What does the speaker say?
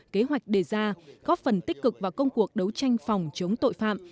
kế hoạch đề ra góp phần tích cực vào công cuộc đấu tranh phòng chống tội phạm